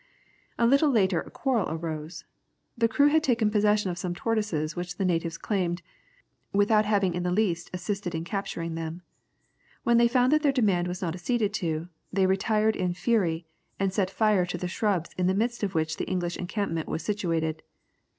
"A little later a quarrel arose. The crew had taken possession of some tortoises which the natives claimed, without having in the least assisted in capturing them. When they found that their demand was not acceded to, they retired in fury, and set fire to the shrubs in the midst of which the English encampment was situated.